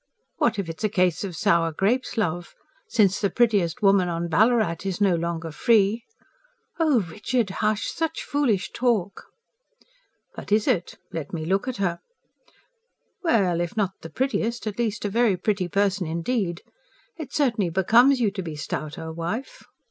"What if it's a case of sour grapes, love? Since the prettiest woman on Ballarat is no longer free...." "Oh, Richard, hush! Such foolish talk!" "But is it? ... let me look at her. Well, if not the prettiest, at least a very pretty person indeed. It certainly becomes you to be stouter, wife."